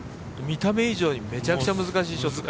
見た目以上にめちゃくちゃ難しいショット。